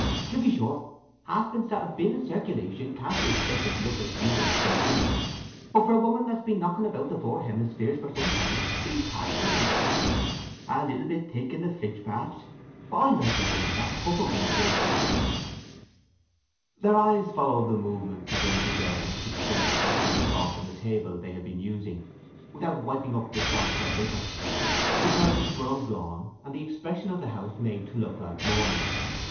To be sure, halfpence that have been in circulation can't be expected to look like new ones from the mint. But for a woman that's been knocking about the four hemispheres for some time, she's passable enough. A little bit thick in the flitch perhaps: but I like a woman that a puff o' wind won't blow down." Their eyes followed the movements of the little girl as she spread the breakfast cloth on the table they had been using, without wiping up the slops of the liquor. The curtains were undrawn, and the expression of the house made to look like morning.